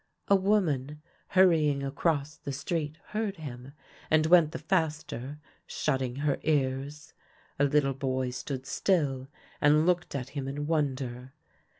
A woman hurrying across the street heard him, and went the faster, shut ting her ears. A little boy stood still and looked at him in wonder.